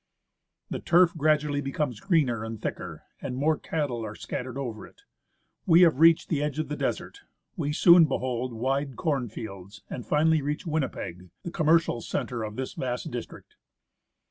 The turf gradually becomes greener and thicker, and more cattle are scattered over it. We have reached the edge of the desert ; we soon behold wide corn fields, and finally reach Winnipeg, the commercial centre of this vast district.